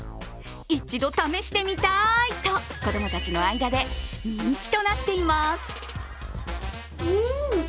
一度試してみたいと子供たちの間で人気となっています。